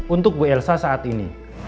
untuk bu elsa saat ini